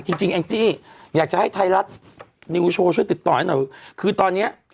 จริงจริงอยากจะให้ไทยรัฐช่วยติดต่อให้หน่อยคือตอนเนี้ย